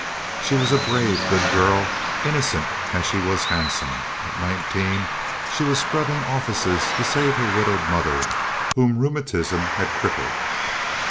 She was a brave, good girl, innocent as she was handsome. At nineteen she was scrubbing offices to save her widowed mother, whom rheumatism had crippled.